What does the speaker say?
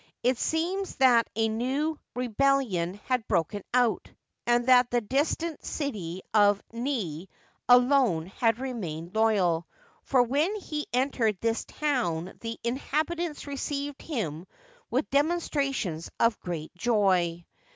It seems that a new rebell ion had broken out, and that the distant city of Nit alone had remained loyal, for when he entered this town the in habitants received him with demonstrations of great joy.